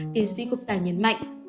tiến sĩ cục tà nhấn mạnh